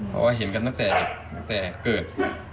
เพราะว่าเห็นกันตั้งแต่เด็กตั้งแต่เกิด